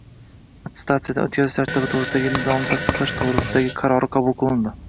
Attestatsiyadan o‘tkazish tartibi to‘g‘risidagi nizomni tasdiqlash haqida”gi qarori qabul qilindi.